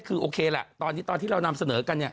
คือโอเคแหละตอนที่เรานำเสนอกัน